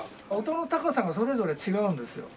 音の高さがそれぞれ違うんですよ。